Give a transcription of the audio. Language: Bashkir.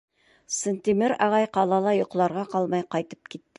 Сынтимер ағай ҡалала йоҡларға ҡалмай ҡайтып китте.